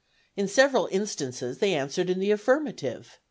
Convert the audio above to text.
In several instances they answered in the affirmative.